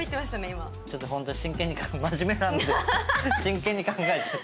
ちょっとホント真剣に真面目なんで真剣に考えちゃって。